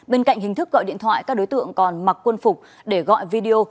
bên cạnh hình thức gọi điện thoại các đối tượng còn mặc quân phục để gọi video